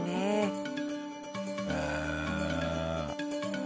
へえ。